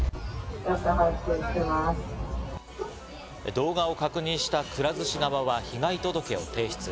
動画を確認した、くら寿司側は被害届を提出。